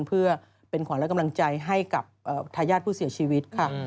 เพื่อเป็นขวัญและกำลังใจให้กับทายาทผู้เสียชีวิตค่ะ